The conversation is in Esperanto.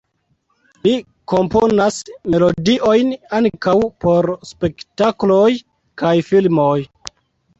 Li komponas melodiojn ankaŭ por spektakloj kaj filmoj.